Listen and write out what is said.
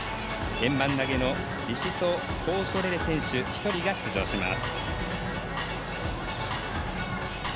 円盤投げのリシソ・コートレレ選手１人が出場します。